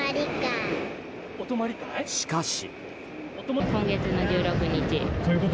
しかし。